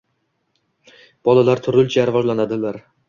Bolalar turlicha rivojlanadilar.